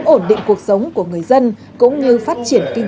ủy ban nhân dân quận hoàn kiếm